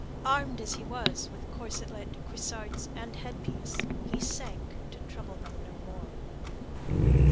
Armed as he was with corselet, cuissarts, and headpiece, he sank to trouble them no more.